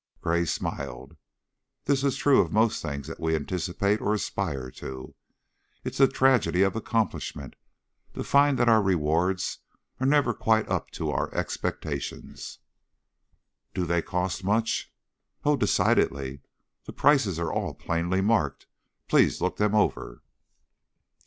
Gray smiled. "That is true of most things that we anticipate or aspire to. It's the tragedy of accomplishment to find that our rewards are never quite up to our expectations." "Do they cost much?" "Oh, decidedly! The prices are all plainly marked. Please look them over."